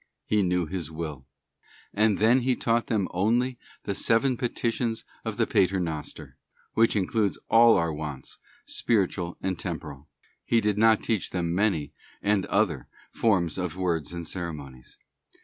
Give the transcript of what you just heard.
He knew His will. He then taught them only the seven petitions of the Pater Noster, which in clude all our wants, spiritual and temporal. He did not teach them many, and other forms of words and ceremonies.